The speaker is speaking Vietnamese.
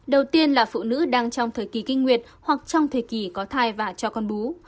đầu tiên là phụ nữ đang trong thời kỳ kinh nguyệt hoặc trong thời kỳ có thai và cho con bú